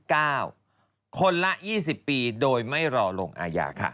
คนละ๒๐ปีโดยไม่รอลงอาญาค่ะ